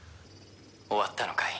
「終わったのかい？